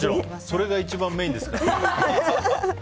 それが一番メインですから。